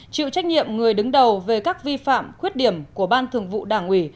chịu trách nhiệm người đứng đầu về các vi phạm khuyết điểm của ban thường vụ đảng ủy